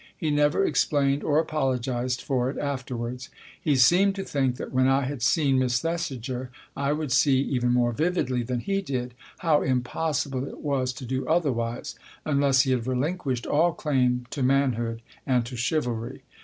He never explained or apologized for it afterwards. He seemed to think that when I had seen Miss Thesiger I would see, even more vividly than he did, how impossible it was to do otherwise, unless he had relinquished all claim to manhood and to chivalry.